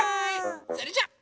それじゃあ。